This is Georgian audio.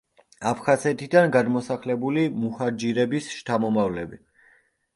აფხაზეთიდან გადმოსახლებული მუჰაჯირების შთამომავლები.